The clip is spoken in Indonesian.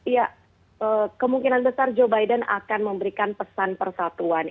ya kemungkinan besar joe biden akan memberikan pesan persatuan